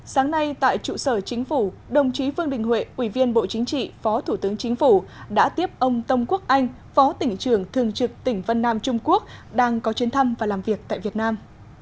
sáng nay tại trụ sở chính phủ đồng chí vương đình huệ ủy viên bộ chính trị phó thủ tướng chính phủ đã tiếp ông tông quốc anh phó tỉnh trưởng thường trực tỉnh vân nam trung quốc đang có chuyến thăm và làm việc tại việt nam